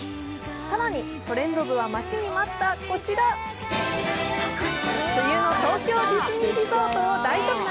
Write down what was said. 更にトレンド部は待ちに待ったこちら、冬の東京ディズニーリゾートを大特集。